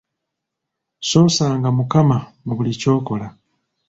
Ssoosanga mukama mu buli kyokola.